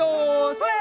それ！